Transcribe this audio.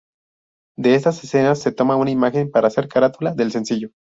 De estas escenas, se toma una imagen para ser carátula del sencillo.